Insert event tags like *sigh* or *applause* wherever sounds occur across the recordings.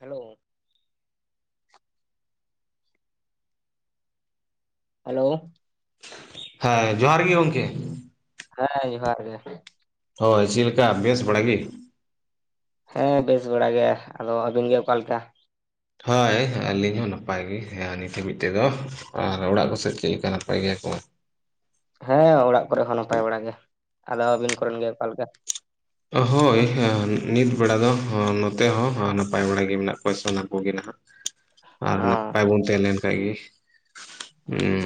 Hello, hello, ᱦᱮᱸ ᱡᱚᱦᱟᱨ ᱜᱤ ᱜᱚᱝᱠᱮ ᱾ ᱦᱮᱸ ᱡᱚᱦᱟᱨ ᱜᱮ ᱾ ᱦᱳᱭ ᱪᱤᱞᱠᱟ ᱵᱮᱥ ᱵᱟᱲᱟ ᱜᱤ? ᱦᱮᱸ ᱵᱮᱥ ᱵᱟᱲᱟ ᱜᱮ ᱟᱫᱚ ᱟᱹᱵᱤᱱ ᱜᱮ ᱚᱠᱟ ᱞᱮᱠᱟ? ᱦᱳᱭ ᱟᱹᱞᱤᱧ ᱦᱚᱸ ᱱᱟᱯᱟᱭ ᱜᱮ ᱦᱮᱸ ᱱᱤᱛ ᱦᱟᱹᱵᱤᱡ ᱛᱮᱫᱚ ᱟᱨ ᱚᱲᱟᱜ ᱠᱚ ᱥᱮᱫ ᱪᱮᱜ ᱞᱮᱠᱟ ᱱᱟᱯᱟᱭ ᱜᱮᱭᱟ ᱠᱚ? ᱦᱮᱸ ᱚᱲᱟᱜ ᱠᱚᱨᱮ ᱦᱚᱸ ᱱᱟᱯᱟᱭ ᱵᱟᱲᱟ ᱜᱮ ᱟᱫᱚ ᱟᱹᱵᱤᱱ ᱠᱚᱨᱮᱱ ᱜᱮ ᱚᱠᱟ ᱞᱮᱠᱟ? ᱦᱳᱭ ᱦᱮᱸ ᱱᱤᱛ ᱵᱮᱲᱟ ᱫᱚ ᱱᱚᱛᱮ ᱦᱚᱸ ᱱᱟᱯᱟᱭ ᱵᱮᱲᱟ ᱜᱮ ᱢᱮᱱᱟᱜ ᱠᱚᱣᱟ ᱥᱟᱱᱟᱢ ᱠᱚᱜᱮ ᱱᱟᱜ ᱾ ᱟᱨ ᱱᱟᱯᱟᱭ ᱚᱸ ᱵᱚᱱ ᱛᱮᱸ ᱞᱮᱱ ᱠᱷᱟᱱ ᱜ ᱦᱩᱸ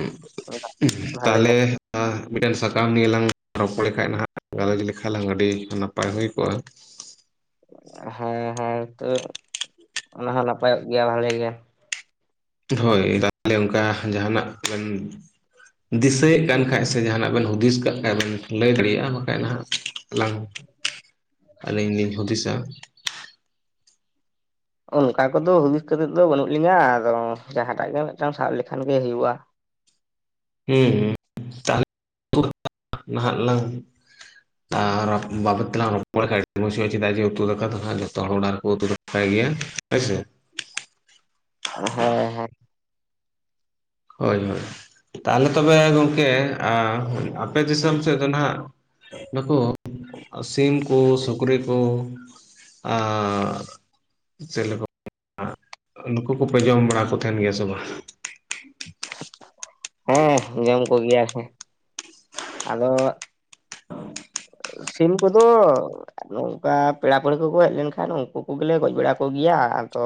*inaudible* ᱵᱷᱟᱞᱮ ᱜᱮ ᱛᱟᱦᱞᱮ, *inaudible* ᱢᱤᱴᱮᱱ ᱥᱟᱠᱟᱢ ᱱᱤᱭᱮ ᱞᱟᱝ ᱨᱚᱯᱚᱲ ᱠᱷᱟᱜ ᱱᱟᱦᱟᱜ ᱜᱟᱞᱚᱪ ᱞᱮᱠᱷᱟᱱ ᱞᱟᱝ ᱟᱹᱰᱤ ᱱᱟᱯ ᱯᱟᱭ ᱦᱩᱭ ᱠᱚᱜᱼᱟ ᱾ ᱦᱮᱸ ᱦᱮᱸ ᱛᱚ ᱚᱱᱟ ᱦᱚᱸ ᱱᱟᱯᱟᱭᱚᱜ ᱜᱮᱭᱟ ᱵᱷᱟᱞᱮ ᱜᱮ ᱾ ᱦᱳᱭ ᱛᱟᱦᱞᱮ ᱚᱝᱠᱟ ᱡᱟᱦᱟᱸᱱᱟᱜ ᱵᱤᱱ ᱫᱤᱥᱟᱹᱭᱮᱫ ᱠᱟᱱ ᱠᱷᱟᱱ ᱥᱮ ᱡᱟᱦᱟᱱᱟᱜ ᱵᱤᱱ ᱦᱩᱫᱤᱥ ᱠᱟᱜ ᱠᱷᱟᱱ ᱵᱤᱱ ᱞᱟᱹᱭ ᱫᱟᱲᱮᱭᱟᱜᱼᱟ ᱵᱟᱠᱷᱟᱱ ᱱᱟᱦᱟᱜ ᱞᱟᱝ ᱾ ᱟᱹᱞᱤᱧ ᱞᱤᱧ ᱦᱩᱸᱫᱤᱥᱟ ᱾ ᱚᱱᱠᱟ ᱠᱚᱫᱚ ᱦᱩᱫᱤᱥ ᱠᱷᱟᱛᱤᱨ ᱫᱚ ᱵᱟᱹᱱᱩᱜ ᱞᱤᱧᱟᱹ ᱟᱫᱚ ᱡᱟᱦᱟᱸᱴᱟᱜ ᱜᱮ ᱢᱤᱫᱴᱟᱝ ᱥᱟᱵ ᱞᱮᱠᱷᱟᱱ ᱜᱮ ᱦᱩᱭᱩᱜᱼᱟ ᱾ ᱦᱩᱸ ᱦᱩᱸ *inaudible* ᱱᱟᱦᱟᱜ ᱞᱟᱝ ᱾ ᱟᱨ ᱵᱟᱵᱚᱫ ᱛᱮᱞᱟᱞ ᱨᱚᱯᱚᱲ *inaudible* ᱪᱮᱫᱟᱜ ᱡᱮ ᱩᱛᱩ ᱫᱟᱠᱟ ᱫᱚ ᱦᱟᱸᱜ ᱡᱚᱛᱚ ᱦᱚᱲ ᱩᱛᱩ ᱛᱟᱭ ᱜᱮ ᱦᱳᱭᱥᱮ ᱾ ᱦᱮᱸ ᱦᱮᱸ ᱦᱳᱭ ᱦᱳᱭ ᱛᱟᱦᱞᱮ ᱛᱚᱵᱮ ᱜᱚᱝᱠᱮ ᱟᱯᱮ *inaudible* ᱟᱯᱮ ᱫᱤᱥᱚᱢ ᱥᱮᱫ ᱫᱚ ᱱᱟᱦᱟᱸᱜ ᱾ ᱱᱩᱠᱩ ᱥᱤᱢ ᱠᱩ ᱥᱩᱠᱨᱤ ᱠᱩ ᱾ ᱟᱨ *inaudible* ᱱᱩᱠᱩ ᱠᱚᱯᱮ ᱡᱚᱢ ᱵᱟᱲᱟ ᱠᱚ ᱛᱟᱦᱮᱱ ᱜᱮᱭᱟ ᱥᱮ ᱵᱟᱝᱼ? ᱦᱮᱸ ᱡᱚᱢ ᱠᱚᱜᱮᱭᱟ ᱞᱮ ᱾ ᱟᱫᱚ ᱥᱤᱢ ᱠᱚᱫᱚ ᱟᱫᱚ ᱱᱚᱝᱠᱟ ᱯᱮᱲᱟ ᱯᱟᱹᱲᱟᱹ ᱠᱚᱠᱚ ᱦᱮᱡ ᱞᱮᱱᱠᱷᱟᱱ ᱩᱱᱠᱩ ᱠᱚᱜᱮᱞᱮ ᱜᱚᱡ ᱵᱟᱲᱟ ᱠᱚᱜᱮᱭᱟ ᱟᱫᱚ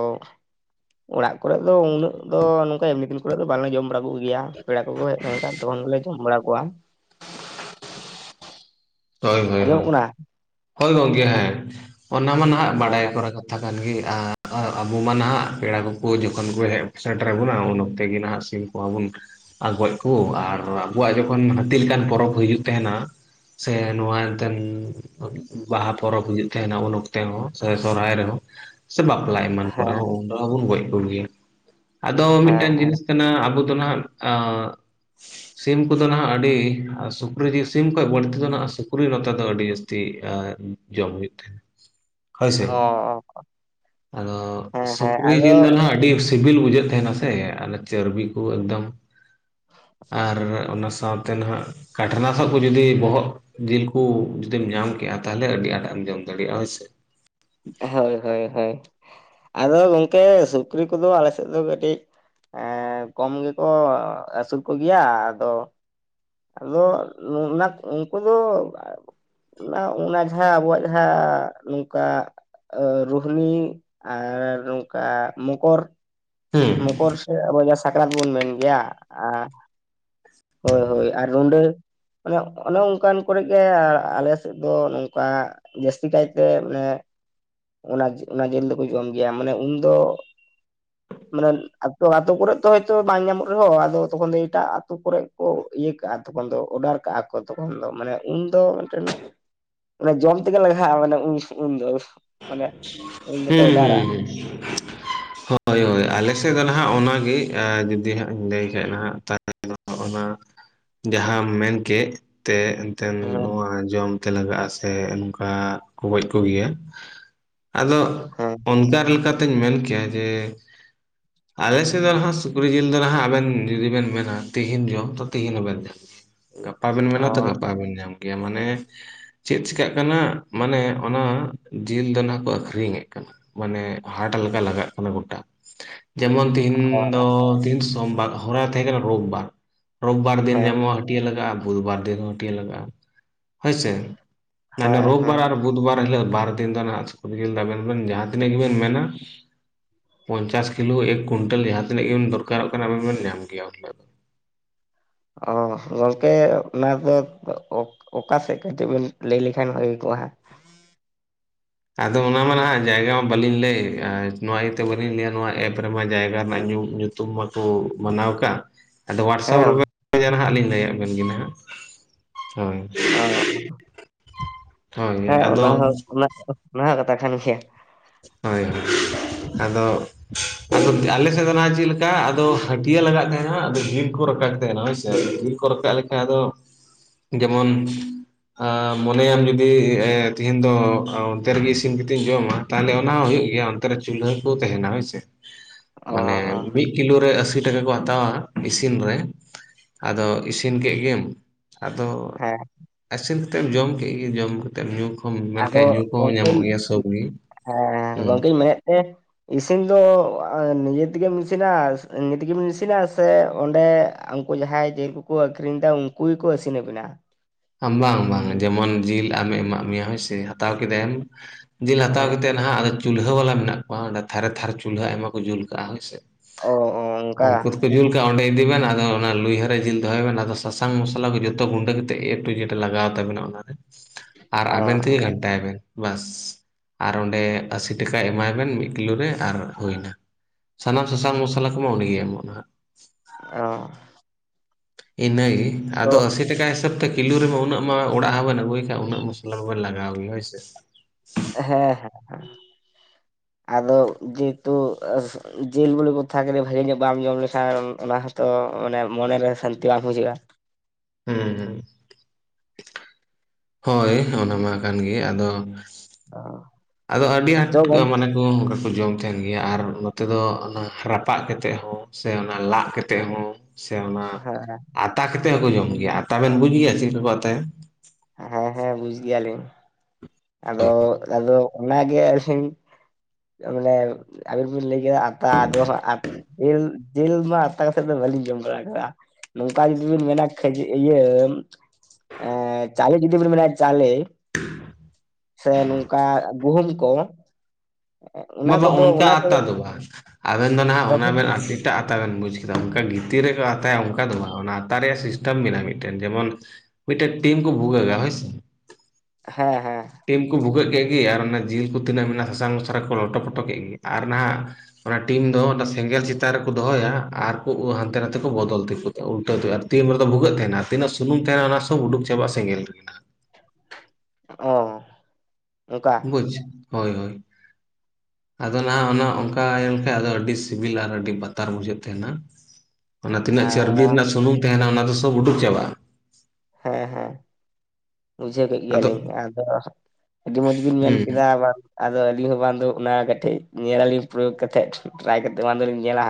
ᱚᱲᱟᱜ ᱠᱚᱨᱮᱫ ᱫᱚ ᱩᱱᱟᱹᱜ ᱫᱚ ᱱᱚᱝᱠᱟ ᱮᱢᱱᱤ ᱫᱤᱱ ᱠᱚᱨᱮ ᱫᱚ ᱵᱟᱝᱞᱮ ᱡᱚᱢ ᱵᱟᱲᱟ ᱠᱚ ᱜᱮᱭᱟ ᱾ ᱯᱮᱲᱟ ᱠᱚᱠᱚ ᱦᱮᱡ ᱞᱮᱱ ᱠᱷᱟᱱ ᱛᱚᱠᱷᱚᱱ ᱜᱮᱞᱮ ᱡᱚᱢ ᱵᱟᱲᱟ ᱠᱚᱣᱟ ᱾ ᱦᱳᱭ ᱦᱳᱭ ᱦᱳᱭ ᱟᱸᱡᱚᱢᱚᱜ ᱠᱟᱱᱟ ᱦᱳᱭ ᱜᱚᱢᱠᱮ ᱦᱮᱸ ᱚᱱᱟ ᱢᱟ ᱱᱟᱦᱟᱸᱜ ᱵᱟᱰᱟᱭ ᱦᱮᱸ ᱠᱚᱨᱟ ᱠᱟᱛᱷᱟ ᱠᱟᱱ ᱜᱮ ᱟᱨ ᱟᱵᱚ ᱢᱟ ᱱᱟᱦᱟᱜ ᱯᱮᱲᱟ ᱠᱚᱠᱚ ᱡᱚᱠᱷᱚᱱ ᱠᱚ ᱦᱮᱡ ᱥᱮᱴᱮᱨ ᱟᱵᱩᱱᱟ ᱩᱱ ᱚᱠᱛᱮ ᱜᱮ ᱱᱟᱦᱟᱜ ᱥᱤᱢ ᱾ ᱠᱚᱣᱟ ᱵᱩᱱ ᱜᱚᱡ ᱠᱩ ᱟᱨ ᱟᱵᱚᱣᱟᱜ ᱡᱚᱠᱷᱚᱱ ᱦᱟᱹᱛᱤ ᱞᱮᱠᱟᱱ ᱯᱚᱨᱚᱵᱽ ᱦᱩᱭᱩᱜ ᱛᱟᱦᱮᱱᱟ ᱾ ᱥᱮ ᱱᱚᱣᱟ ᱮᱱᱛᱮᱱ ᱵᱟᱦᱟ ᱯᱚᱨᱚᱵᱽ ᱦᱩᱭᱩᱜ ᱛᱟᱦᱮᱱᱟ ᱩᱱ ᱚᱠᱛᱮ ᱦᱚᱸ ᱥᱚᱭ ᱥᱚᱨᱦᱟᱭ ᱨᱮᱦᱚᱸ ᱾ ᱥᱮ ᱵᱟᱯᱞᱟ ᱮᱢᱟᱱ ᱠᱚᱨᱮ ᱦᱮᱸ ᱦᱚᱸ ᱩᱱ ᱫᱚ ᱵᱚᱱ ᱜᱚᱡ ᱠᱚ ᱜᱮᱭᱟ ᱾ ᱟᱫᱚ ᱦᱮᱸ ᱢᱤᱫᱴᱮᱱ ᱦᱮᱸ ᱡᱤᱱᱤᱥ ᱠᱟᱱᱟ ᱟᱵᱚ ᱫᱚ ᱱᱟᱦᱟᱜ ᱟᱸ ᱥᱤᱢ ᱠᱚᱫᱚ ᱱᱟᱦᱟᱜ ᱟᱹᱰᱤ, ᱥᱩᱠᱨᱤ ᱡᱤᱞ ᱥᱤᱢ ᱠᱷᱚᱡ ᱵᱟᱹᱲᱛᱤ ᱱᱚᱛᱮ ᱫᱚ ᱱᱟᱸᱜ ᱥᱩᱠᱨᱤ ᱱᱚᱛᱮ ᱫᱚ ᱟᱹᱰᱤ ᱡᱟᱹᱥᱛᱤ ᱡᱚᱢ ᱦᱩᱭᱩᱜ ᱛᱟᱦᱮᱱᱟ᱾ ᱦᱳᱭ ᱥᱮ ᱚ ᱟᱫᱚ ᱦᱮᱸ ᱦᱮᱸ ᱥᱩᱠᱨᱤ ᱟᱫᱚ ᱡᱤᱞ ᱫᱚ ᱱᱟᱦᱟᱜ ᱟᱹᱰᱤ ᱥᱤᱵᱤᱞ ᱵᱩᱡᱷᱟᱹᱜ ᱛᱟᱦᱮᱱᱟ ᱥᱮ ᱚᱱᱮ ᱪᱟᱨᱵᱤ ᱠᱩ ᱮᱠᱫᱚᱢ ᱟᱨ ᱚᱱᱟ ᱥᱟᱶᱛᱮ ᱱᱟᱦᱟᱜ ᱠᱟᱴᱨᱟ ᱥᱟᱜᱠᱚ ᱡᱩᱫᱤ ᱵᱚᱦᱚᱜ ᱡᱤᱞ ᱠᱩ ᱡᱩᱫᱤᱢ ᱧᱟᱢ ᱠᱮᱜ-ᱟ ᱛᱟᱦᱞᱮ ᱟᱹᱰᱤ ᱟᱸᱴ-ᱟᱜ ᱮᱢ ᱡᱚᱢ ᱫᱟᱲᱮᱭᱟᱜᱼᱟ ᱦᱳᱭᱥᱮ ᱦᱳᱭ ᱦᱳᱭ ᱦᱳᱭ ᱟᱫᱚ ᱜᱚᱢᱠᱮ ᱥᱩᱠᱨᱤ ᱠᱚᱫᱚ ᱟᱞᱮ ᱥᱮᱫ ᱫᱚ ᱠᱟᱹᱴᱤᱡ ᱮᱸ ᱠᱚᱢ ᱜᱮᱠᱚ ᱟᱹᱥᱩᱞ ᱠᱚᱜᱮᱭᱟ ᱟᱫᱚ ᱟᱫᱚ ᱱᱚ-ᱚᱱᱟ ᱩᱱᱠᱩ ᱫᱚ ᱚᱱᱟ ᱚᱱᱟ ᱡᱟᱦᱟᱸ ᱟᱵᱚᱣᱟᱜ ᱡᱟᱦᱟᱸ ᱱᱚᱝᱠᱟ ᱨᱩᱦᱱᱤ ᱟᱨ ᱱᱚᱝᱠᱟ ᱢᱚᱠᱚᱨ ᱦᱩᱸ ᱢᱚᱠᱚᱨ ᱥᱮ ᱟᱵᱚ ᱡᱟᱦᱟᱸ ᱥᱟᱠᱨᱟᱛ ᱵᱚᱱ ᱢᱮᱱ ᱜᱮᱭᱟ ᱦᱳᱭ ᱦᱳᱭ ᱟᱨ ᱨᱩᱸᱰᱟᱹ᱾ ᱚᱱᱮ ᱚᱱᱮ ᱚᱝᱠᱟᱱ ᱠᱚᱨᱮ ᱜᱮ ᱟᱞᱮ ᱥᱮᱫ ᱫᱚ ᱱᱚᱝᱠᱟ ᱡᱟᱹᱥᱛᱤ ᱠᱟᱭᱛᱮ ᱢᱟᱱᱮ ᱚᱱᱟ, ᱚᱱᱟ ᱡᱤᱞ ᱫᱚᱠᱚ ᱡᱚᱢ ᱜᱮᱭᱟ ᱢᱟᱱᱮ ᱩᱱ ᱫᱚ ᱢᱟᱱᱮ ᱟᱛᱳ, ᱟᱛᱳ ᱠᱚᱨᱮᱜ ᱛᱚ ᱦᱚᱭᱛᱚ ᱵᱟᱝ ᱧᱟᱢᱚᱜ ᱨᱮᱦᱚᱸ ᱟᱫᱚ ᱛᱚᱠᱷᱚᱱ ᱫᱚ ᱮᱴᱟᱜ ᱟᱛᱳ ᱠᱚᱨᱮᱜ ᱠᱚ ᱤᱭᱟᱹ ᱠᱟᱜᱼᱟ ᱛᱚᱠᱷᱚᱱ ᱫᱚ ᱚᱰᱟᱨ ᱠᱟᱜᱼᱟ ᱠᱚ ᱛᱚᱠᱷᱚᱱ ᱫᱚ ᱢᱟᱱᱮ ᱩᱱᱫᱚ ᱢᱤᱫᱴᱮᱱ ᱢᱟᱱᱮ ᱡᱚᱢ ᱛᱮᱜᱮ ᱞᱟᱸᱜᱷᱟᱼᱟ ᱢᱟᱱᱮ ᱩᱱ ᱫᱚ᱾ ᱢᱟᱱᱮ ᱦᱩᱸ ᱦᱩᱸ ᱦᱩᱸ ᱦᱳᱭ ᱦᱳᱭ ᱟᱞᱮᱥᱮᱜ ᱫᱚ ᱱᱟᱸᱦᱟᱜ ᱚᱱᱟᱜᱮ ᱡᱩᱫᱤ ᱦᱟᱸᱜ ᱤᱧ ᱞᱟᱹᱭ ᱠᱷᱟᱡ ᱱᱟᱸᱦᱟᱜ *unintelligible* ᱚᱱᱟ ᱡᱟᱦᱟᱸᱢ ᱢᱮᱱ ᱠᱮᱜ ᱛᱮ ᱮᱱᱛᱮᱫ ᱦᱮᱸ ᱱᱚᱣᱟ ᱡᱚᱢ ᱛᱮ ᱞᱟᱜᱟᱜᱼᱟ ᱥᱮ ᱱᱚᱝᱠᱟ ᱠᱚ ᱜᱚᱡ ᱠᱚ ᱜᱮᱭᱟ ᱟᱫᱚ ᱦᱮᱸ ᱚᱱᱠᱟ ᱞᱮᱠᱟᱛᱤᱧ ᱢᱮᱱ ᱠᱮᱭᱟ ᱡᱮ ᱟᱞᱮᱥᱮᱫ ᱫᱚ ᱱᱟᱦᱟᱜ ᱥᱩᱠᱨᱤ ᱡᱤᱞ ᱫᱚ ᱱᱟᱸᱦᱟᱜ ᱟᱵᱮᱱ ᱡᱩᱫᱤ ᱵᱮᱱ ᱢᱮᱱᱟ ᱛᱤᱦᱤᱧ ᱡᱚᱢ ᱛᱚ ᱛᱤᱦᱤᱧ ᱦᱚᱸᱵᱮᱱ ᱜᱟᱯᱟ ᱵᱤᱱ ᱢᱮᱱᱟ ᱛᱚ ᱚ ᱜᱟᱯᱟ ᱵᱤᱱ ᱧᱟᱢᱟ ᱜᱮᱭᱟ ᱢᱟᱱᱮ ᱪᱮᱫ ᱪᱤᱠᱟᱜ ᱠᱟᱱᱟ ᱢᱟᱱᱮ ᱚᱱᱟ ᱡᱤᱞ ᱫᱚ ᱠᱚ ᱟᱹᱠᱷᱨᱤᱧᱮᱜ ᱠᱟᱱᱟ ᱢᱟᱱᱮ ᱦᱟᱴ ᱞᱮᱠᱟ ᱞᱟᱜᱟᱜ ᱠᱟᱱᱟ ᱜᱚᱴᱟ᱾ ᱡᱮᱢᱚᱱ ᱛᱤᱦᱤᱧ ᱫᱚ ᱚ ᱛᱦᱤᱱ ᱥᱳᱢᱵᱟᱨ ᱦᱚᱨᱟ ᱛᱟᱦᱮᱸ ᱠᱟᱱᱟ ᱨᱳᱵ ᱵᱟᱨ᱾ ᱨᱳᱵ ᱵᱟᱨ ᱫᱤᱱ ᱦᱮᱸ ᱧᱟᱢᱚᱜ-ᱟ ᱦᱟᱹᱴᱭᱟᱹ ᱞᱟᱜᱟᱜᱼᱟ, ᱵᱩᱫ ᱵᱟᱨ ᱫᱤᱱ ᱦᱚᱸ ᱦᱟᱹᱴᱭᱟᱹ ᱞᱟᱜᱟᱜᱼᱟ ᱦᱳᱭ ᱥᱮ ᱛᱟᱱᱦᱮ ᱦᱮᱸ ᱨᱳᱵ ᱦᱮᱸ ᱵᱟᱨ ᱟᱨ ᱵᱩᱫ ᱵᱟᱨ ᱦᱤᱞᱚᱜ ᱵᱟᱨ ᱫᱤᱱ ᱫᱚ ᱱᱟᱸᱦᱟᱜ ᱥᱩᱠᱨᱤ ᱡᱤᱞ ᱫᱚ ᱟᱵᱮᱱ ᱵᱮᱱ ᱡᱟᱦᱟᱸ ᱛᱤᱱᱟᱹᱜ ᱜᱮᱵᱮᱱ ᱢᱮᱱᱟ ᱯᱚᱧᱪᱟᱥ ᱠᱤᱞᱳ ᱮᱠ ᱠᱩᱭᱱᱴᱳᱞ ᱡᱟᱦᱟᱸ ᱛᱤᱱᱟᱹᱜ ᱜᱮᱵᱤᱱ ᱫᱚᱨᱠᱟᱨᱚᱜ ᱠᱟᱱᱟ ᱟᱵᱮᱱ ᱵᱮᱱ ᱧᱟᱢ ᱜᱮᱭᱟ ᱢᱚᱴᱟ ᱢᱩᱴᱤ ᱚ ᱜᱟᱝᱠᱮ ᱚᱱᱟ ᱫᱚ ᱚᱠᱟ ᱥᱮᱜ ᱠᱟᱹᱴᱤᱡ ᱵᱤᱱ ᱞᱟᱹᱭ ᱞᱮᱠᱷᱟᱱ ᱵᱷᱟᱜᱮ ᱠᱚᱜᱼᱟ᱾ ᱟᱫᱚ ᱚᱱᱟ ᱢᱟ ᱱᱟᱦᱟᱜ ᱡᱟᱭᱜᱟ ᱢᱟ ᱵᱟᱹᱞᱤᱧ ᱞᱟᱹᱭ ᱮᱜ-ᱟ ᱱᱚᱣᱟ ᱤᱭᱟᱹᱛᱮ ᱵᱟᱹᱞᱤᱧ ᱞᱟᱹᱭᱟ ᱱᱚᱣᱟ ᱮᱯ ᱨᱮᱢᱟ ᱡᱟᱭᱜᱟ ᱨᱮᱱᱟᱜ ᱧᱩᱢ ᱧᱩᱛᱩ ᱛᱩᱢ ᱢᱟᱠᱚ ᱢᱟᱱᱟᱣ ᱠᱟᱜ᱾ ᱟᱫᱚ ᱦᱳᱣᱟᱴᱥᱟᱯ ᱦᱮᱸ ᱚ *inaudible* ᱱᱟᱦᱟᱜ ᱞᱤᱧ ᱞᱟᱹᱭᱟ ᱵᱮᱱ ᱜᱮ ᱱᱟᱦᱟᱜ, ᱦᱳᱭ ᱚ ᱦᱳᱭ ᱦᱮᱸ ᱟᱫᱚ ᱚᱱᱟ ᱦᱚᱸ ᱚᱱᱟ ᱦᱚᱸ ᱠᱟᱛᱷᱟ ᱠᱟᱱ ᱜᱮᱭᱟ ᱦᱳᱭ ᱟᱫᱚ ᱟᱫᱚ ᱟᱞᱮ ᱥᱮᱫ ᱫᱚ ᱱᱟᱦᱟᱜ ᱪᱤᱜᱞᱮᱠᱟ ᱟᱫᱚ ᱦᱟᱹᱴᱭᱟᱹ ᱞᱟᱜᱟᱜ ᱛᱟᱦᱮᱱᱟ ᱟᱫᱚ ᱡᱤᱞ ᱠᱚ ᱨᱟᱠᱟᱵ ᱛᱟᱦᱮᱱᱟ ᱦᱳᱭ ᱥᱮ ᱠᱚ ᱨᱟᱠᱟᱜ ᱞᱮᱠᱷᱟᱡ ᱟᱫᱚ ᱡᱮᱢᱚᱱ ᱟ ᱢᱚᱱᱮᱭᱟᱢ ᱡᱩᱫᱤ ᱛᱤᱦᱤᱧ ᱫᱚ ᱚᱱᱛᱮ ᱨᱮᱜᱮ ᱤᱥᱤᱱ ᱠᱟᱛᱮᱤᱧ ᱡᱚᱢᱟ ᱛᱟᱦᱚᱞᱮ ᱚᱱᱟ ᱦᱚᱸ ᱦᱩᱭᱩᱜ ᱜᱮᱭᱟ ᱚᱱᱛᱮ ᱨᱮ ᱪᱩᱞᱦᱟᱹ ᱠᱚ ᱛᱟᱸᱦᱮᱱᱟ ᱦᱚᱭᱥᱮ, ᱚ ᱢᱟᱱᱮ ᱢᱤᱫᱼᱼ ᱠᱤᱞᱳ ᱨᱮ ᱟᱥᱤ ᱴᱟᱠᱟ ᱠᱚ ᱦᱟᱛᱟᱣᱟ ᱤᱥᱤᱱ ᱨᱮ ᱾ ᱟᱫᱚ ᱤᱥᱤᱱ ᱠᱮᱫ ᱜᱮᱢ, ᱟᱫᱚᱼᱼ ᱦᱮᱸ ᱾ ᱤᱥᱤᱱ ᱠᱟᱛᱮᱫ ᱡᱚᱢ ᱠᱮᱫ ᱜᱮ, ᱡᱚᱢ ᱠᱟᱛᱮᱫ ᱧᱩ ᱠᱚᱦᱚᱢ ᱟᱫᱚ ᱢᱮᱱᱠᱷᱟᱱ ᱧᱩ ᱠᱚᱦᱚᱸ ᱜᱚᱝᱠᱮᱧ ᱧᱟᱢᱚᱜ ᱜᱮᱭᱟ ᱥᱚᱵᱽ ᱜᱮ ᱾ ᱦᱮᱸ ᱜᱚᱝᱠᱮᱧ ᱢᱮᱱᱮᱫ ᱛᱮᱦᱮᱸᱫᱼᱼ ᱤᱥᱤᱱ ᱫᱚ ᱮ ᱱᱤᱡᱮ ᱛᱮᱜᱮᱢ ᱤᱥᱤᱱᱟ ᱱᱤᱡᱮ ᱛᱮᱜᱮᱢ ᱤᱥᱤᱱᱟ ᱥᱮ ᱚᱸᱰᱮ ᱟᱹᱼᱼ ᱟᱠᱩ ᱡᱟᱦᱟᱸᱭ ᱡᱤᱞ ᱠᱚᱠᱚ ᱟᱹᱠᱷᱨᱤᱧ ᱮᱫᱟ ᱩᱱᱠᱩ ᱜᱮᱠᱚ ᱤᱥᱤᱱᱟ ᱵᱤᱱᱟ? ᱵᱟᱝ ᱵᱟᱝ ᱡᱮᱢᱚᱱ ᱡᱤᱞ ᱟᱢᱮ ᱮᱢᱟᱜ ᱢᱮᱭᱟ ᱦᱳᱭ ᱥᱮ, ᱦᱟᱛᱟᱣ ᱠᱮᱫᱟᱭᱟᱢᱼᱼ ᱡᱤᱞ ᱦᱟᱛᱟᱣ ᱦᱮᱸ ᱠᱟᱛᱮᱫ ᱱᱟᱦᱟᱸᱜ ᱟᱫᱚ ᱪᱩᱞᱦᱟᱹ ᱵᱟᱞᱟ ᱢᱮᱱᱟᱜ ᱠᱚᱣᱟ ᱚᱸᱰᱮ ᱛᱷᱟᱨᱮ ᱛᱷᱟᱨᱮ ᱪᱩᱞᱦᱟᱹ ᱟᱭᱢᱟ ᱠᱚ ᱡᱩᱞ ᱠᱟᱜᱼᱟ ᱦᱳᱭᱥᱮ ᱚ ᱚ ᱾ ᱚᱱᱠᱟ ᱩᱱᱠᱩᱼᱼ ᱡᱩᱞ ᱠᱟᱜᱼᱟ, ᱚᱸᱰᱮ ᱤᱫᱤ ᱵᱮᱱ ᱟᱫᱚ ᱚᱱᱟ ᱞᱩᱭᱦᱟᱹᱨᱮ ᱡᱤᱞ ᱫᱚᱦᱚᱭ ᱵᱮᱱ, ᱟᱫᱚ ᱥᱟᱥᱟᱝ ᱢᱚᱥᱞᱟ ᱠᱚ ᱡᱚᱛᱚ ᱜᱩᱸᱰᱟᱹᱼᱼ ᱮᱰᱩᱠᱮᱴ ᱞᱟᱜᱟᱣ ᱛᱵᱮᱱᱟ ᱚᱱᱟᱨᱮ, ᱟᱨ ᱚ ᱟᱵᱮᱱ ᱛᱮᱜᱮ ᱜᱷᱟᱱᱴᱟᱭ ᱵᱮᱱ ᱵᱟᱥ ᱾ ᱟᱨ ᱚᱸᱰᱮ ᱟᱥᱤ ᱴᱟᱠᱟ ᱮᱢᱟᱭ ᱵᱮᱱ ᱢᱤᱫᱼᱼ ᱠᱤᱞᱳ ᱨᱮ ᱟᱨ ᱦᱩᱭ ᱮᱱᱟ, ᱥᱟᱱᱟᱢ ᱥᱟᱥᱟᱝ ᱢᱚᱥᱞᱟ ᱠᱚᱢᱟ ᱚᱸᱰᱮ ᱜᱮᱭ ᱮᱢᱚᱜ ᱟᱭ ᱱᱟᱦᱟᱜ ᱾ ᱚ ᱾ ᱤᱱᱟᱹ ᱜᱤ, ᱟᱫᱚ ᱟᱥᱤᱼᱼ ᱟᱹᱥᱤ ᱴᱟᱠᱟ ᱦᱤᱥᱟᱹᱵᱽ ᱛᱮ ᱠᱤᱞᱳ ᱨᱮᱢᱟ ᱩᱱᱟᱹᱜ ᱢᱟ ᱚᱲᱟᱜ ᱦᱚᱸᱵᱮᱱ ᱟᱹᱜᱩᱭ ᱠᱷᱟᱱ ᱩᱱᱟᱹᱜ ᱢᱚᱥᱞᱟ ᱵᱟᱵᱮᱱ ᱞᱟᱜᱟᱣ ᱜᱮᱭᱟ ᱦᱳᱭᱥ ᱥᱮ ᱾ ᱦᱮᱸ ᱦᱮᱸ ᱦᱮᱸ *unintelligible* *inaudible* ᱾ ᱟᱫᱚ ᱡᱮᱦᱮᱛᱩ ᱮᱜ *unintelligible* ᱡᱤᱞ ᱵᱚᱞᱮ ᱠᱚᱛᱷᱟ ᱠᱮᱫ ᱵᱷᱟᱹᱜᱤ ᱧᱚᱜ ᱵᱟᱢ ᱡᱚᱢ ᱞᱮᱠᱷᱟᱱ ᱚᱱᱟ ᱦᱚᱸᱼᱼ ᱛᱚ ᱢᱟᱱᱮ ᱢᱚᱱᱮᱨᱮ ᱥᱟᱱᱛᱤ ᱵᱟᱝ ᱵᱩᱡᱷᱟᱹᱜᱼᱟ ᱾ ᱦᱩᱸᱻ, ᱦᱳᱭ ᱚᱱᱟ ᱢᱟ ᱠᱟᱱ ᱜᱮ ᱟᱫᱚᱼᱼ ᱚ ᱾ ᱟᱫᱚ ᱟᱹᱰᱤ ᱟᱸᱴ ᱢᱟᱱᱮᱼᱼ ᱠᱚ ᱚᱱᱠᱟ ᱠᱚ ᱡᱚᱢ ᱛᱟᱸᱦᱮᱱ ᱜᱮᱭᱟ, ᱟᱨ ᱱᱚᱛᱮ ᱫᱚ ᱨᱟᱯᱟᱜ ᱠᱟᱛᱮᱜ ᱦᱚᱸ ᱥᱮ ᱚᱱᱟ ᱞᱟᱜ ᱠᱟᱛᱮᱜ ᱦᱚᱸᱼᱼ ᱥᱮ ᱚᱱᱟ ᱦᱮᱸ ᱟᱛᱟ ᱠᱟᱛᱮ ᱦᱚᱸᱠᱚ ᱡᱚᱢ ᱜᱮᱭᱟ, ᱟᱛᱟ ᱵᱮᱱ ᱵᱩᱡᱽ ᱜᱮᱭᱟ ᱥᱮ ᱪᱮᱫ ᱞᱮᱠᱟ ᱠᱚ ᱟᱛᱟᱭᱟ? ᱦᱮᱸ ᱦᱮᱸ ᱵᱩᱡᱽ ᱜᱮᱭᱟᱞᱤᱧ, ᱟᱫᱚ ᱟᱫᱚ ᱚᱱᱟᱜᱮ ᱟᱹᱞᱤᱧᱼᱼ ᱢᱟᱱᱮ ᱟᱹᱵᱤᱱ ᱵᱤᱱ ᱞᱟᱹᱭ ᱠᱮ ᱟᱠᱟᱫ ᱫᱚ ᱦᱟᱸᱜ ᱟᱜᱼᱼ ᱡᱮᱞ ᱡᱮᱞ ᱢᱟ ᱟᱛᱟ ᱠᱟᱛᱮ ᱢᱟ ᱵᱟᱹᱞᱤᱧ ᱡᱚᱢ ᱵᱟᱲᱟ ᱠᱟᱫᱟ ᱾ ᱱᱚᱝᱠᱟ ᱡᱩᱫᱤ ᱵᱤᱱ ᱢᱮᱱᱟ ᱠᱷᱟᱹ ᱤᱭᱟᱹ ᱮ ᱪᱟᱞᱮ ᱡᱩᱫᱤ ᱵᱤᱱ ᱢᱮᱱᱟ ᱡᱟᱞᱮᱼᱼ *unintelligible* ᱥᱮ ᱱᱚᱝᱠᱟ ᱜᱩᱦᱩᱢ ᱠᱚ ᱾ ᱵᱟᱝ ᱵᱟᱝ ᱚᱱᱠᱟ ᱠᱚᱫᱚ ᱟᱛᱟ ᱫᱚ ᱵᱟᱝ, ᱟᱵᱮᱱ ᱫᱚ ᱱᱟᱦᱟᱜ ᱚᱱᱟ ᱟᱛᱟ ᱫᱚ ᱮᱴᱟᱜ ᱟᱛᱟ ᱵᱮᱱ ᱵᱩᱡᱽ ᱠᱮᱫᱟ, ᱟᱨ ᱮᱴᱟᱜ ᱟᱛᱟᱽ ᱵᱮᱱ ᱵᱩᱡᱽ ᱠᱮᱫᱟ, ᱚᱱᱠᱟᱱ ᱜᱤ *unintelligible* ᱾ ᱛᱤ ᱨᱮᱠᱚ ᱟᱛᱟᱭᱟ ᱚᱱᱠᱟ ᱫᱚ ᱵᱟᱝ, ᱚᱱᱟ ᱟᱛᱟ ᱨᱮᱭᱟᱜ ᱜᱤᱥᱼᱼ ᱢᱤᱫᱮᱱ ᱵᱮᱱᱟ ᱢᱤᱫᱴᱮᱱ ᱡᱮᱢᱚᱱ ᱢᱤᱫᱴᱮᱱ ᱴᱤᱢ ᱠᱚ ᱵᱷᱩᱜᱟᱹᱜᱟ ᱦᱳᱭ ᱥᱮᱼᱼ ᱦᱮᱸ ᱦᱮᱸ ᱾ ᱴᱤᱢ ᱠᱚ ᱵᱷᱩᱜᱟᱹᱜ ᱠᱮᱫ ᱜᱮ, ᱟᱨ ᱚᱱᱟ ᱡᱤᱞ ᱠᱚ ᱛᱤᱱᱟᱹᱜ ᱢᱮᱱᱟᱜᱼᱟ ᱥᱟᱥᱟᱝ ᱢᱚᱥᱞᱟ ᱠᱚ ᱞᱚᱴᱚ ᱯᱚᱴᱚ ᱠᱮᱫ ᱜᱮ ᱟᱨ ᱱᱟᱦᱟᱜᱼᱼ ᱚᱱᱟ ᱴᱤᱢ ᱫᱚ ᱚᱱᱟ ᱥᱮᱸᱜᱮᱞ ᱪᱮᱛᱟᱱ ᱨᱮᱠᱚ ᱫᱚᱦᱚᱭᱟ, ᱟᱨᱠᱩ ᱦᱟᱱᱛᱮ ᱱᱟᱛᱮ ᱠᱚ ᱵᱚᱫᱚᱞ ᱛᱮᱠᱚᱼᱼ ᱩᱞᱴᱟᱹ ᱫᱚ ᱦᱩᱭᱩᱜᱼᱟ ᱛᱤ ᱨᱮᱫᱚ ᱵᱷᱩᱜᱟᱹᱜ ᱛᱟᱸᱦᱮᱱᱟ ᱛᱤᱱᱟᱹᱜ ᱥᱩᱱᱩᱢ ᱛᱟᱸᱦᱮᱱᱟ ᱚᱱᱟ ᱥᱩᱜ ᱩᱰᱩᱠ ᱪᱟᱵᱟᱜᱼᱟ ᱥᱮᱸᱜᱮᱞ ᱨᱮᱼᱼ ᱚ, ᱚᱱᱠᱟᱼᱼ *unintelligible* ᱦᱳᱭ ᱦᱳᱭ ᱾ ᱟᱫᱚ ᱱᱟᱦᱟᱜ ᱚᱱᱠᱟ ᱦᱩᱭ ᱞᱮᱠᱟᱡ ᱟᱹᱰᱤ ᱥᱤᱵᱤᱞᱟ ᱟᱨ ᱟᱹᱰᱤ ᱵᱟᱛᱟᱨ ᱵᱩᱡᱷᱟᱹᱜ ᱛᱟᱸᱦᱮᱱᱟ ᱾ ᱚᱱᱟ ᱛᱤᱱᱟᱹᱜ ᱟᱨ ᱪᱚᱨᱵᱤ ᱨᱮᱱᱟᱜ ᱥᱩᱱᱩᱢ ᱛᱟᱸᱦᱮᱱᱟ ᱚᱱᱟ ᱫᱚ ᱥᱚᱵᱽ ᱩᱰᱩᱠ ᱪᱟᱵᱟᱜᱼᱟ ᱾ ᱦᱮᱸ ᱦᱮᱸ ᱾ ᱵᱩᱡᱷᱟᱹᱣ ᱠᱮᱫ ᱟᱫᱚ ᱜᱮᱭᱟᱞᱤᱧ ᱟᱫᱚ, ᱟᱹᱰᱤ ᱢᱚᱡᱽ ᱵᱤᱱ ᱢᱮᱱ ᱦᱩᱸ ᱠᱮᱫᱟ ᱵᱟᱝ ᱟᱫᱚ ᱟᱹᱞᱤᱧ ᱦᱚᱸ ᱵᱟᱝ ᱫᱚ ᱚᱱᱟ ᱠᱟᱹᱴᱤᱡ ᱧᱮᱞ ᱞᱟᱞᱤᱧ ᱯᱨᱚᱭᱳᱜ ᱠᱟᱛᱮᱫ ᱴᱨᱟᱭ ᱠᱟᱛᱮ ᱫᱚᱞᱤᱧ ᱧᱮᱞᱟ,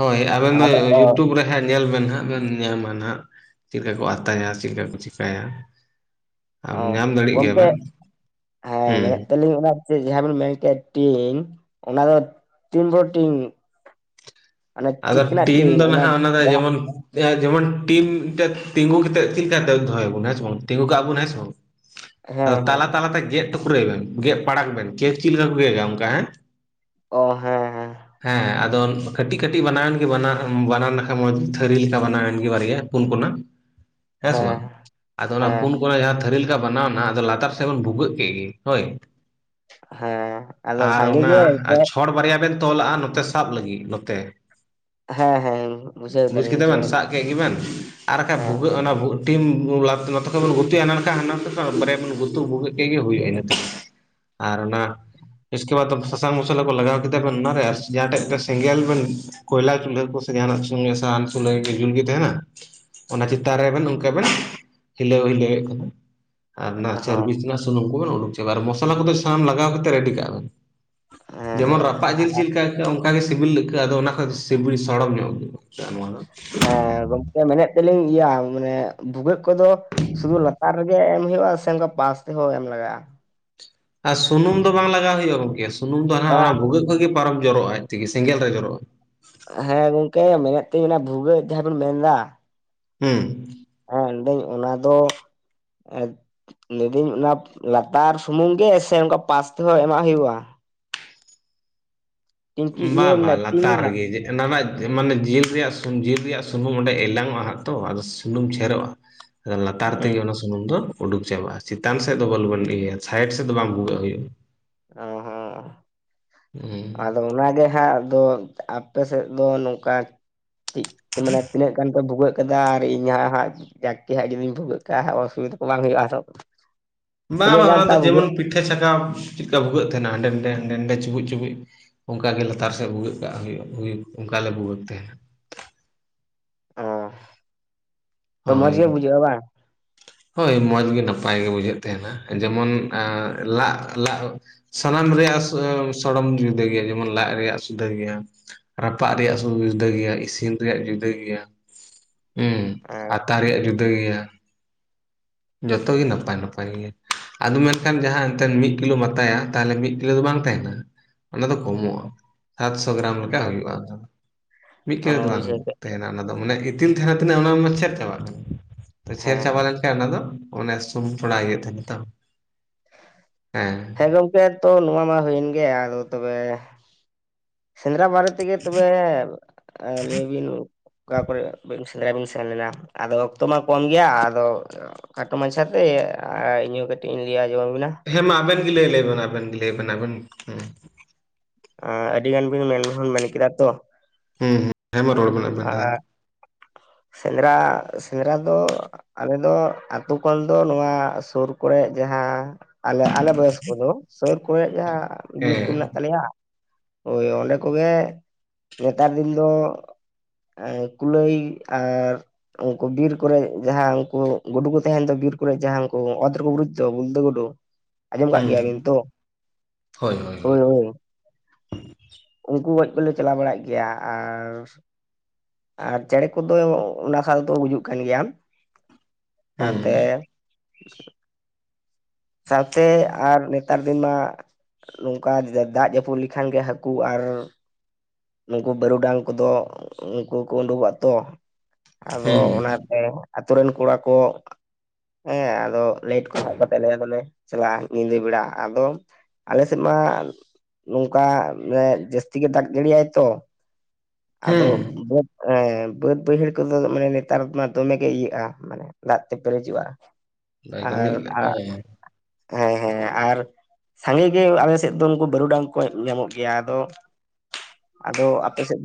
ᱦᱳᱭ ᱟᱵᱮᱱ ᱦᱟᱸᱜ ᱫᱚ ᱟᱫᱚ ᱚ ᱤᱭᱩᱴᱩᱵᱽ ᱨᱮ ᱦᱮ ᱧᱮᱞ ᱵᱮᱱ ᱦᱟᱸᱜ ᱵᱮᱱ ᱧᱟᱢᱟ ᱱᱟᱦᱸᱜ ᱪᱮᱫ ᱞᱮᱠᱟ ᱠᱚ ᱟᱛᱟᱭᱟ ᱪᱮᱫᱠᱟ ᱠᱚ ᱪᱤᱠᱟᱹᱭᱟ᱾ ᱚ ᱟᱢ ᱧᱟᱢ ᱫᱟᱲᱮᱜ ᱜᱮᱭᱟ ᱜᱚᱢᱠᱮ ᱵᱮᱱ ᱦᱮᱸ, ᱢᱮᱱᱮᱫ ᱦᱩᱸ ᱛᱟᱹᱞᱤᱧ ᱚᱱᱟ ᱡᱟᱦᱟᱸ ᱵᱮᱱ ᱢᱮᱱ ᱠᱮᱫ ᱴᱤᱱ ᱚᱱᱟ ᱫᱚ ᱛᱤᱱ ᱵᱚᱲᱚ ᱴᱤᱝ? ᱟᱫᱚ ᱴᱤᱱ ᱴᱤᱧ ᱫᱚ ᱱᱟᱦᱟᱸᱜ ᱚᱱᱟ ᱫᱚ ᱡᱟᱦᱟᱸ ᱡᱮᱢᱚᱱ ᱡᱮᱢᱚᱱ ᱴᱤᱢ ᱢᱤᱫᱴᱮᱱ ᱛᱤᱸᱜᱩ ᱠᱟᱛᱮᱜ ᱪᱮᱫᱠᱟ ᱫᱚᱦᱚᱭᱟᱵᱚᱱ ᱦᱮᱸ ᱵᱟᱝ ᱛᱤᱸᱜᱩ ᱠᱟᱜ ᱵᱚᱱ ᱦᱮᱸ ᱵᱟᱝ ᱟᱫᱚ ᱦᱮᱸ ᱦᱮᱸ ᱛᱟᱞᱟ ᱛᱟᱞᱟᱛᱮ ᱜᱮᱫ ᱴᱩᱨᱟᱹᱭ ᱵᱮᱱ ᱜᱮᱫ ᱯᱟᱲᱟᱜ ᱵᱮᱱ *unintelligible* ᱚᱱᱠᱟ ᱦᱮᱸ ᱚ ᱦᱮᱸ ᱦᱮᱸ, ᱦᱮᱸ ᱟᱫᱚ ᱠᱟᱹᱴᱤᱡ ᱠᱟᱹᱴᱤᱡ ᱵᱮᱟᱱᱟᱣᱮᱱ ᱜᱮ ᱵᱟᱱᱟᱣ ᱞᱮᱠᱷᱟᱱ ᱢᱚᱡᱽ ᱛᱷᱟᱹᱨᱤ ᱞᱮᱠᱟ ᱵᱮᱟᱱᱟᱣᱮᱱ ᱜᱮ ᱵᱟᱨᱭᱟ ᱯᱩᱱ ᱠᱚᱱᱟ, ᱦᱮᱸᱥᱮ ᱵᱟᱝ ᱦᱮᱸ ᱟᱫᱚ ᱚᱱᱟ ᱦᱮᱸ ᱯᱩᱱ ᱠᱚᱱᱟ ᱡᱟᱦᱟᱸ ᱛᱷᱟᱹᱨᱤ *inaudible* ᱵᱮᱱᱟᱣᱱᱟ ᱟᱫᱚ ᱞᱟᱛᱟᱨ ᱥᱮᱫ ᱵᱚᱱ ᱵᱷᱩᱜᱟᱹᱜ ᱠᱮᱫ ᱜᱮ ᱦᱳᱭ, ᱦᱮᱸ ᱟᱫᱚ ᱟᱨ ᱥᱟᱸᱜᱮ ᱚᱱᱟ ᱜᱮ ᱥᱮ ᱪᱷᱚᱲ ᱵᱟᱨᱭᱟ ᱵᱮᱱ ᱛᱚᱞᱟᱜᱼᱟ ᱱᱚᱛᱮ ᱥᱟᱵ ᱞᱟᱹᱜᱤᱫ ᱱᱚᱛᱮ, ᱦᱮᱸ ᱦᱮᱸ ᱵᱩᱡᱷᱟᱹᱣ ᱵᱩᱡᱽ ᱫᱟᱞᱤᱧ ᱠᱮᱫᱟ ᱵᱩᱡᱷᱟᱹᱣ ᱵᱮᱱ ᱫᱟᱞᱤᱧ ᱥᱟᱵ ᱠᱮᱫ ᱜᱮᱵᱮᱱ ᱟᱨ ᱵᱟᱠᱷᱟᱡ ᱦᱮᱸ ᱵᱷᱩᱜᱟᱹᱜ ᱚᱱᱟ ᱴᱤᱢᱞᱟ ᱱᱚᱛᱮ ᱠᱷᱚᱱᱚᱡ ᱵᱚᱱ ᱜᱩᱛᱩᱜᱼᱟ ᱚᱱᱟᱠᱷᱟᱱ ᱦᱟᱱᱟᱛᱮ ᱵᱟᱨᱭᱟ ᱵᱚᱱ ᱜᱩᱛᱩ ᱟᱹᱜᱩ ᱠᱮᱫ ᱜᱮ ᱦᱩᱭ ᱮᱱᱟ *inaudible* ᱟᱨ ᱚᱱᱟ ᱥᱠᱮ ᱵᱟᱫᱽ ᱥᱟᱥᱟᱝ ᱢᱚᱥᱞᱟ ᱠᱚ ᱞᱟᱜᱟᱣ ᱠᱮᱫᱟ ᱵᱮᱱ ᱚᱱᱟᱨᱮ ᱡᱟᱦᱟᱸ ᱴᱷᱮᱡ ᱥᱮᱸᱜᱮᱞ ᱵᱮᱱ ᱠᱚᱭᱞᱟ ᱪᱩᱞᱦᱟᱹ ᱠᱚ ᱥᱮ ᱡᱟᱦᱟᱱᱟᱜ ᱥᱩ ᱥᱟᱦᱟᱱ ᱥᱩᱞ ᱡᱩᱞ ᱜᱮ ᱛᱟᱦᱮᱱᱟ, ᱚᱱᱟ ᱪᱮᱛᱟᱱ ᱨᱮᱵᱮᱱ ᱚᱱᱠᱟ ᱵᱮᱱ ᱦᱤᱞᱟᱹᱣ ᱦᱤᱞᱟᱹᱣᱮᱫ ᱠᱟᱛᱮᱫ, ᱟᱨ ᱱᱟᱜ ᱦᱚᱸ ᱥᱟᱨᱵᱤᱥ ᱨᱮᱱᱟᱜ ᱥᱩᱱᱩᱢ ᱠᱚᱵᱮᱱ ᱩᱰᱩᱠ ᱪᱟᱵᱟᱭᱟ ᱢᱚᱥᱞᱟ ᱠᱚᱫᱚ ᱥᱟᱢ ᱞᱟᱜᱟᱣ ᱠᱟᱛᱮᱫ ᱨᱮᱰᱤ ᱠᱟᱜ ᱵᱮᱱ᱾ ᱦᱮᱸ ᱡᱮᱢᱚᱱ ᱦᱮᱸ ᱨᱟᱯᱟᱜ ᱡᱤᱞ ᱪᱮᱫᱠᱟ ᱟᱹᱭᱠᱟᱹᱜᱼᱟ ᱚᱱᱠᱟᱜᱮ ᱥᱤᱵᱤᱞ ᱟᱹᱭᱠᱟᱹᱜᱼᱟ ᱟᱫᱚ ᱚᱱᱟ ᱠᱷᱚᱱ ᱥᱤᱵᱤᱞ ᱥᱚᱲᱚᱢ ᱧᱚᱜ ᱟᱭᱠᱟᱹᱣᱼᱟ᱾ *unintelligible* ᱱᱚᱣᱟ ᱫᱚ ᱦᱮᱸ ᱜᱚᱝᱠᱮ ᱢᱮᱱᱮᱫ ᱛᱟᱦᱮᱞᱤᱧ ᱤᱭᱟᱹ ᱢᱟᱱᱮ ᱵᱷᱩᱜᱟᱹᱜ ᱠᱚᱫᱚ ᱥᱩᱫᱷᱩ ᱞᱟᱛᱟᱨ ᱨᱮᱜᱮ ᱮᱢ ᱦᱩᱭᱩᱜᱼᱟ ᱥᱮ ᱚᱱᱠᱟ ᱯᱟᱥ ᱛᱮᱦᱚᱸ ᱮᱢ ᱞᱟᱜᱟᱜᱼᱟ᱾ ᱟᱨ ᱥᱩᱱᱩᱢ ᱫᱚ ᱵᱟᱝ ᱞᱟᱜᱟᱣ ᱦᱩᱭᱩᱜ-ᱟ ᱜᱚᱝᱠᱮ ᱥᱩᱱᱩᱢ ᱫᱚ ᱦᱟᱸᱜ ᱵᱟ ᱚᱱᱟ ᱵᱷᱩᱜᱟᱹᱜ ᱠᱷᱚᱡᱜ ᱜᱮ ᱯᱟᱨᱚᱢ ᱡᱚᱨᱚᱜ-ᱟ ᱟᱡ ᱛᱮᱜᱮ ᱥᱮᱸᱜᱮᱞ ᱨᱮ ᱡᱚᱨᱚᱜ-ᱟ᱾ ᱦᱮᱸ ᱜᱚᱝᱠᱮ ᱢᱮᱱᱮᱫ ᱛᱟᱦᱤᱤᱧ ᱵᱷᱩᱜᱟᱹᱜ ᱡᱟᱦᱟᱸ ᱵᱮᱱ ᱢᱮᱱ ᱫᱟ, ᱦᱩᱸ, ᱦᱮᱸ ᱢᱮᱱᱫᱟᱹᱧ ᱚᱱᱟ ᱫᱚ ᱞᱟᱹᱭᱫᱟᱹᱧ ᱚᱱᱟ ᱞᱟᱛᱟᱨ ᱥᱩᱢᱩᱝ ᱜᱮ ᱥᱮ ᱚᱱᱠᱟ ᱯᱟᱥ ᱛᱮᱦᱚᱸ ᱮᱢᱟᱜ ᱦᱩᱭᱩᱜᱼᱟ᱾ ᱴᱤᱝᱠᱤ ᱤᱭᱟᱹ ᱵᱟᱝ ᱵᱟᱝ ᱨᱮᱱᱟᱜ ᱴᱤᱱ ᱞᱟᱛᱟᱨ ᱨᱮᱱᱟᱜ ᱨᱮᱜᱮ ᱡᱮ ᱮᱱᱟ ᱱᱟᱜ ᱢᱟᱱᱮ ᱡᱤᱞ ᱨᱮᱭᱟᱜ ᱡᱤᱞ ᱨᱮᱭᱟᱜ ᱥᱩᱱᱩᱢ ᱚᱸᱰᱮ ᱮᱞᱟᱝ ᱚᱜᱼᱟ ᱛᱚ ᱟᱫᱚ ᱥᱩᱱᱩᱢ ᱪᱷᱮᱨᱚᱜᱼᱟ᱾ ᱞᱟᱛᱟᱨ ᱛᱮᱜᱮ ᱦᱮᱸ ᱚᱱᱟ ᱦᱮᱸ ᱥᱩᱱᱩᱢ ᱫᱚ ᱩᱰᱩᱠ ᱪᱟᱵᱟᱜᱼᱟ ᱪᱮᱛᱟᱱ ᱥᱮᱫ ᱫᱚ *inaudible* ᱤᱭᱟᱹᱭᱟ ᱥᱟᱭᱤᱰ ᱥᱮᱫ ᱫᱚ ᱵᱟᱝ ᱵᱷᱩᱜᱟᱹᱜ ᱦᱩᱭᱩᱜᱼᱟ᱾ ᱦᱩᱸ *unintelligible* ᱟᱫᱚ ᱚᱱᱟ ᱜᱮ ᱦᱟᱸᱜ ᱟᱫᱚ ᱟᱯᱮ ᱥᱮᱫ ᱫᱚ ᱱᱚᱝᱠᱟ ᱛᱮ ᱢᱟᱱᱮ ᱛᱤᱱᱟᱹᱜ ᱫᱚᱠᱟᱱ ᱯᱮ ᱵᱷᱩᱜᱟᱹᱜ ᱠᱮᱫᱟ ᱟᱨ ᱤᱧ ᱦᱟᱸ ᱦᱟᱸᱜ ᱡᱟᱠᱮ ᱡᱩᱫᱤᱧ ᱵᱷᱩᱜᱟᱹᱜ ᱠᱟᱜᱼᱟ ᱚᱥᱩᱵᱤᱫᱟ ᱠᱚ ᱵᱟᱝ ᱦᱩᱭᱩᱜᱼᱟ ᱾ ᱵᱟ ᱵᱟᱝ ᱚᱱᱟ ᱫᱚ ᱡᱮᱢᱚᱱ ᱯᱤᱴᱷ ᱯᱤᱴᱷᱟᱹ ᱪᱷᱟᱠᱟᱣ ᱪᱮᱫᱠᱟ ᱵᱷᱩᱜᱟᱹᱜ ᱛᱟᱦᱮᱱᱟ ᱦᱟᱸᱰᱮ ᱱᱟᱰᱮ ᱦᱟᱸᱰᱮ ᱱᱟᱰᱮ ᱪᱩᱵᱩᱡ ᱪᱩᱵᱩᱡ ᱚᱱᱠᱟ ᱜᱮ ᱞᱟᱛᱟᱨ ᱥᱮᱫ ᱵᱷᱩᱜᱟᱹᱜ ᱠᱟᱜ ᱦᱩᱭᱩᱜ ᱚᱱᱠᱟ ᱞᱮ ᱵᱷᱩᱜᱟᱹᱜ ᱛᱟᱦᱮᱱᱟ᱾ ᱚ ᱛᱚ ᱢᱚᱸᱡᱽ ᱜᱮ ᱦᱳᱭ᱾ ᱵᱩᱡᱷᱟᱹᱜᱼᱟ ᱵᱟᱝ? ᱦᱳᱭ ᱢᱚᱸᱡᱽ ᱜᱮ ᱱᱟᱯᱟᱭ ᱜᱮ ᱵᱩᱡᱷᱟᱹᱜ ᱛᱟᱦᱮᱱᱟ ᱡᱮᱢᱚᱱ ᱞᱟᱜ ᱞᱟᱜ ᱥᱟᱱᱟᱢ ᱨᱮᱭᱟᱜ ᱥᱚᱲᱚᱢ ᱡᱩᱫᱟᱹ ᱜᱮᱭᱟ ᱡᱮᱢᱚᱱ ᱞᱟᱜ ᱨᱮᱭᱟᱜ ᱥᱩᱫᱟᱹ ᱜᱮᱭᱟ᱾ ᱨᱟᱯᱟᱜ ᱨᱮᱭᱟᱜ ᱡᱩᱫᱟᱹ ᱜᱮᱭᱟ ᱤᱥᱤᱱ ᱨᱮᱭᱟᱜ ᱡᱩᱫᱟᱹ ᱜᱮᱭᱟ, ᱦᱩᱸ ᱦᱮᱸ ᱟᱛᱟ ᱨᱮᱭᱟᱜ ᱡᱩᱫᱟᱹ ᱜᱮᱭᱟ ᱡᱚᱛᱚ ᱜᱮ ᱱᱟᱯᱟᱭ ᱱᱟᱯᱟᱭ ᱜᱮᱭᱟ᱾ ᱟᱫᱚ ᱢᱮᱱᱠᱷᱟᱱ ᱡᱟᱦᱟᱸ ᱮᱱᱛᱮᱫ ᱢᱤᱫ ᱠᱤᱞᱳ ᱟᱛᱟᱭᱟ ᱛᱟᱦᱞᱮ ᱢᱤᱫ ᱠᱤᱞᱳ ᱫᱚ ᱵᱟᱝ ᱛᱟᱦᱮᱸᱱᱟ᱾ ᱚᱱᱟ ᱫᱚ ᱠᱚᱢᱚᱜᱼᱟ, ᱥᱟᱛᱥᱚ ᱜᱨᱟᱢ ᱞᱮᱠᱟ ᱦᱮᱸ ᱦᱩᱭᱩᱜᱼᱟ ᱚᱱᱟ ᱫᱚ ᱢᱤᱫ ᱦᱮᱸ ᱠᱤᱞᱳ ᱫᱚ ᱵᱟᱝ ᱵᱩᱡᱷᱟᱹᱣ ᱠᱮᱫ ᱜᱤᱭᱟᱹᱧ ᱛᱟᱦᱮᱸᱱᱟ᱾ ᱚᱱᱟ ᱫᱚ ᱢᱟᱱᱮ ᱤᱛᱤᱞ ᱛᱟᱦᱮᱸᱱᱟ ᱛᱤᱱᱟᱹᱜ ᱚᱱᱟ ᱢᱟ ᱪᱷᱮᱨ ᱪᱟᱵᱟᱜ ᱠᱟᱱᱟ ᱛᱚ ᱪᱷᱮᱨ ᱪᱟᱵᱟ ᱞᱮᱱᱠᱷᱟᱱ ᱦᱮᱸ ᱚᱱᱟ ᱫᱚ ᱚᱱᱮ ᱥᱚᱢ ᱯᱷᱚᱲᱟ ᱦᱳᱭᱳᱜ ᱛᱟᱦᱮᱸ ᱱᱟᱛᱚ? ᱦᱮᱸ᱾ ᱦᱮᱸ ᱜᱚᱝᱠᱮ ᱛᱚ ᱱᱚᱣᱟ ᱢᱟ ᱦᱩᱭᱮᱱ ᱜᱮ ᱟᱫᱚ ᱛᱚᱵᱮ ᱥᱮᱸᱫᱽᱨᱟ ᱵᱟᱨᱮ ᱛᱮᱜᱮ ᱛᱚᱵᱮ ᱞᱟᱹᱭ ᱵᱤᱱ ᱚᱠᱟ ᱠᱚᱨᱮᱫ ᱵᱤᱱ ᱥᱮᱸᱫᱽᱨᱟ ᱵᱮᱱ ᱥᱮᱱ ᱞᱮᱱᱟ ᱟᱫᱚ ᱚᱠᱛᱚ ᱢᱟ ᱠᱚᱢ ᱜᱮᱭᱟ ᱟᱫᱚ ᱠᱟᱴᱚ ᱢᱟᱪᱷᱟᱛᱮ ᱟᱨ ᱤᱧᱦᱚᱸ ᱠᱟᱹᱴᱤᱡ ᱤᱧ ᱞᱟᱹᱭ ᱟᱸᱡᱚᱢ ᱟᱵᱤᱱᱟ᱾ ᱦᱮᱸ ᱢᱟ ᱟᱵᱮᱱ ᱜᱮ ᱞᱟᱹᱭ ᱞᱟᱹᱭᱵ ᱵᱮᱱ ᱟᱵᱮᱱ ᱜᱮ ᱞᱟᱹᱭ ᱵᱮᱱ ᱟᱵᱮᱱ ᱜᱮ ᱦᱮᱸ᱾ ᱮᱸ ᱟᱹᱰᱤ ᱜᱟᱱ ᱵᱤᱱ ᱢᱮᱱ ᱢᱮᱱ ᱠᱮᱫᱟ ᱛᱚ, ᱦᱩᱸ ᱦᱮᱸᱢᱟ ᱨᱚᱲ ᱵᱮᱱ ᱟᱵᱮᱱ ᱟᱨ ᱦᱮᱸ᱾ ᱥᱮᱸᱫᱽᱨᱟ ᱥᱮᱸᱫᱽᱨᱟ ᱫᱚ ᱟᱞᱮ ᱫᱚ ᱟᱹᱛᱩ ᱠᱷᱚᱱ ᱫᱚ ᱱᱚᱣᱟ ᱥᱩᱨ ᱠᱚᱨᱮᱜ ᱡᱟᱦᱟᱸ ᱟᱞᱮ ᱟᱞᱮ ᱵᱚᱭᱚᱥ ᱠᱚᱫᱚ ᱥᱩᱨ ᱠᱚᱨᱮ ᱡᱟᱦᱟᱸ ᱵᱤᱨ ᱠᱚ ᱦᱮᱸ ᱢᱮᱱᱟᱜ ᱛᱟᱞᱮᱭᱟ, ᱦᱳᱭ ᱚᱸᱰᱮ ᱠᱚᱜᱮ ᱱᱮᱛᱟᱨ ᱫᱤᱱ ᱫᱚ ᱮᱸ ᱠᱩᱞᱟᱹᱭ ᱟᱨ ᱩᱱᱠᱩ ᱵᱤᱨ ᱠᱚᱨᱮ ᱡᱟᱦᱟᱸ ᱩᱱᱠᱩ ᱜᱩᱰᱩ ᱠᱚ ᱛᱟᱦᱮᱸᱱ ᱫᱚ ᱵᱤᱨ ᱠᱚᱨᱮ ᱡᱟᱦᱟᱸᱭ ᱠᱩ ᱚᱫ ᱨᱮᱠᱚ ᱵᱩᱨᱩᱡ ᱫᱚ ᱵᱞᱫᱟᱹ ᱜᱩᱰᱩ, *inaudible* ᱟᱸᱡᱚᱢ ᱠᱟᱜ ᱜᱮᱭᱟᱵᱤᱱ ᱛᱚ? ᱦᱳᱭ ᱦᱳᱭ᱾ ᱩᱝᱠᱩ ᱜᱚᱡ ᱠᱚᱞᱮ ᱪᱟᱞᱟᱣ ᱵᱟᱲᱟᱜ ᱜᱮᱭᱟ, ᱟᱨ ᱟᱨ ᱪᱮᱬᱮ ᱠᱚᱫᱚ ᱚᱱᱟ *unintelligible* ᱫᱚ ᱜᱩᱡᱩᱜ ᱠᱟᱱ ᱜᱮᱭᱟᱢ, ᱦᱩᱸ ᱛᱟᱛᱮ ᱥᱟᱶᱛᱮ ᱟᱨ ᱱᱮᱛᱟᱨ ᱫᱤᱱ ᱢᱟ ᱱᱚᱝᱠᱟ ᱫᱟᱜ ᱡᱟᱹᱯᱩᱫ ᱞᱮᱠᱷᱟᱱ ᱜᱮ ᱦᱟᱹᱠᱩ ᱟᱨ ᱱᱩᱠᱩ ᱵᱟᱹᱨᱩᱰᱟᱝ ᱠᱚᱫᱚ ᱩᱱᱠᱩ ᱠᱚ ᱩᱰᱩᱠᱚᱜ ᱛᱚ, ᱟᱫᱚ ᱦᱩᱸ ᱚᱱᱟᱛᱮ ᱟᱛᱳ ᱨᱮᱱ ᱠᱚᱲᱟ ᱠᱚ ᱦᱮᱸ ᱟᱫᱚ ᱞᱟᱭᱤᱴ ᱠᱚ ᱥᱟᱵ ᱠᱟᱛᱮᱜ ᱟᱫᱚᱞᱮ ᱪᱟᱞᱟᱜᱼᱟ ᱧᱤᱫᱟᱹ ᱵᱮᱲᱟ, ᱟᱫᱚ ᱟᱞᱮ ᱥᱮᱫ ᱢᱟ ᱱᱚᱝᱠᱟ ᱡᱟᱹᱥᱛᱤ ᱜᱮ ᱫᱟᱜ ᱡᱟᱹᱲᱤᱭᱟᱭ ᱛᱚ ᱟᱫᱚ ᱦᱩᱸ ᱵᱟᱹᱫᱽ ᱮ ᱵᱟᱹᱫ ᱵᱟᱹᱭᱦᱟᱹᱲ ᱠᱚᱫᱚ ᱢᱟᱱᱮ ᱱᱮᱛᱟᱨ ᱢᱟ ᱫᱚᱢᱮᱜ ᱜᱮ ᱤᱭᱟᱹᱜᱼᱟ ᱢᱟᱱᱮ, ᱫᱟᱜ ᱛᱮ ᱯᱮᱨᱮᱡᱚᱜᱼᱟ ᱞᱟᱭ ᱠᱟᱹᱢᱤ ᱟᱨ ᱟ ᱦᱮᱸ ᱦᱮᱸ ᱦᱮᱸ ᱟᱨ ᱥᱟᱸᱜᱮ ᱜᱮ ᱟᱞᱮ ᱥᱮᱫ ᱫᱚ ᱩᱱᱠᱩ ᱵᱟᱹᱨᱩ ᱰᱟᱝ ᱠᱚ ᱧᱟᱢᱚᱜ ᱜᱮᱭᱟ, ᱟᱫᱚ ᱟᱫᱚ ᱟᱯᱮ ᱥᱮᱫ ᱫᱚ